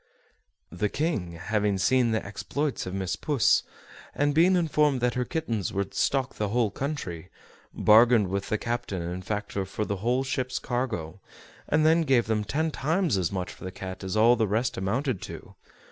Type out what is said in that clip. The King, having seen the exploits of Miss Puss, and being informed that her kittens would stock the whole country, bargained with the captain and factor for the whole ship's cargo, and then gave them ten times as much for the cat as all the rest amounted to.